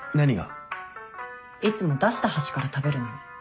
いつも出した端から食べるのに。